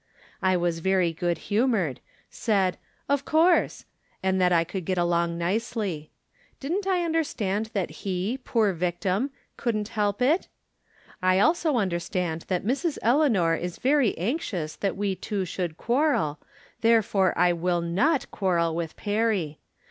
I was very good humored ; said, " Of course," and that I could get along nicely. Didn't I understand that he, poor victim, couldn't help it ? I also understand that Mrs. Eleanor is very 140 From Different Standpoints. anxious that we two should quarrel, therefore I will not quarrel with Perry.